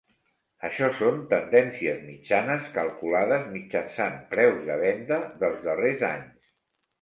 Això són tendències mitjanes calculades mitjançant preus de venda dels darrers anys.